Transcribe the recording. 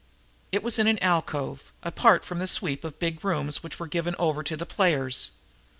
It was in an alcove, apart from the sweep of big rooms which were given over to the players.